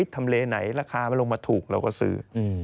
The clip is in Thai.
ทำเลไหนราคามันลงมาถูกเราก็ซื้อ